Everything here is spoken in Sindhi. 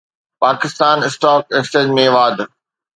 پاڪستان اسٽاڪ ايڪسچينج ۾ واڌ